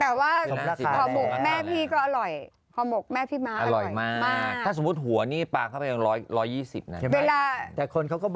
แต่ว่าของคมมุกแม่พี่ก็อร่อยของคมมุกแม่พี่ม้าก็อร่อยมากมาก